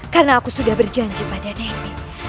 karena aku sudah berjanji pada nek